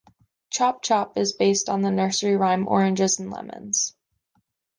"Chop Chop" is based on the nursery rhyme "Oranges and Lemons".